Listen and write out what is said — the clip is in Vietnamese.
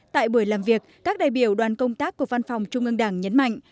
tại buổi làm việc các đại biểu đoàn công tác của văn phòng trung ương đảng nhấn mạnh